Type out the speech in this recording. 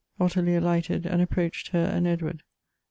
Ottilie alighted, and approached her and Edward.